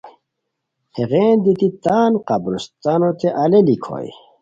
ہیغین دیتی تان قبرستانوت الیلیک ہوئے